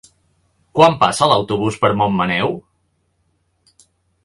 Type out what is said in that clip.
Quan passa l'autobús per Montmaneu?